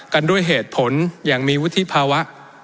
กันด้วยเหตุผลอย่างมีวุฒิภาวะ